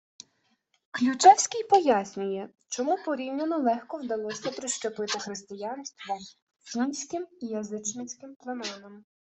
Ключевський пояснює, чому порівняно легко вдалося прищепити християнство фінським язичницьким племенам: